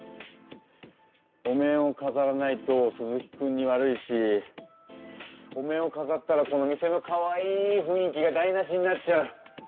お面をかざらないと鈴木くんに悪いしお面をかざったらこの店のかわいいふんい気がだいなしになっちゃう。